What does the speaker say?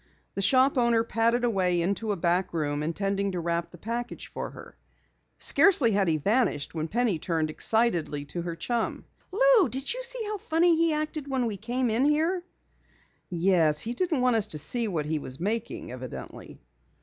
The shop owner padded away into a back room, intending to wrap the package for her. Scarcely had he vanished when Penny turned excitedly to her chum. "Lou, did you notice how funny he acted when we came in here?" "Yes, he didn't want us to see what he was making evidently."